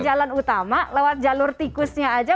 jalan utama lewat jalur tikusnya aja